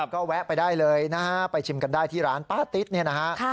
ก็แวะไปได้เลยนะฮะไปชิมกันได้ที่ร้านป้าติ๊ดเนี่ยนะฮะ